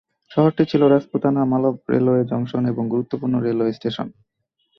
শহরটি ছিল Rajputana Malwa railway junction এবং গুরুত্বপূর্ণ রেলওয়ে স্টেশন।